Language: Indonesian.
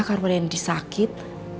kalau ren disakit